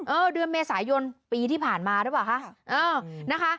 เออเดือนเมษายนปีที่ผ่านมาหรือเปล่าคะเออนะคะ